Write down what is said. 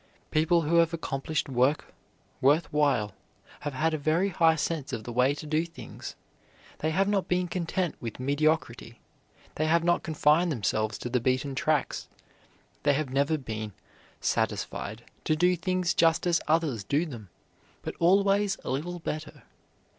People who have accomplished work worth while have had a very high sense of the way to do things. They have not been content with mediocrity. They have not confined themselves to the beaten tracks; they have never been satisfied to do things just as others do them, but always a little better.